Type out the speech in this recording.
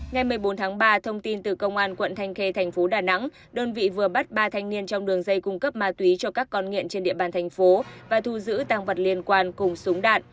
ngày một mươi bốn tháng ba thông tin từ công an quận thanh khê thành phố đà nẵng đơn vị vừa bắt ba thanh niên trong đường dây cung cấp ma túy cho các con nghiện trên địa bàn thành phố và thu giữ tăng vật liên quan cùng súng đạn